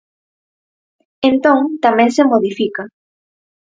Entón, tamén se modifica.